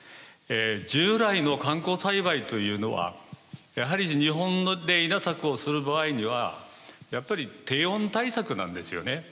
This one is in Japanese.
従来の慣行栽培というのはやはり日本で稲作をする場合にはやっぱり低温対策なんですよね。